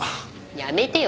やめてよ